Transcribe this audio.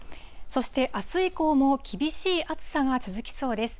そして、あす以降も厳しい暑さが続きそうです。